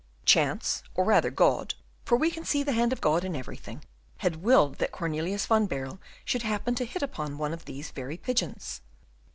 Chance, or rather God, for we can see the hand of God in everything, had willed that Cornelius van Baerle should happen to hit upon one of these very pigeons.